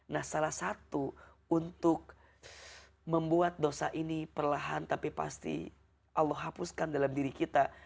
nah salah satu untuk membuat dosa ini perlahan tapi pasti allah hapuskan dalam diri kita